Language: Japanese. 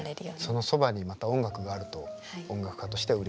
そのそばにまた音楽があると音楽家としてはうれしいです。